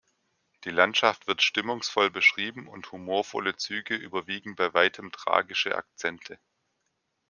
Die Landschaft wird stimmungsvoll beschrieben, und humorvolle Züge überwiegen bei weitem tragische Akzente.